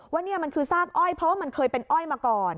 ว่านี่มันคือซากอ้อยเพราะว่ามันเคยเป็นอ้อยมาก่อน